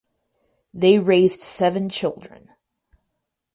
They raised seven children.